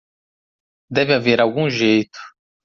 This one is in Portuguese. Deve haver algum jeito.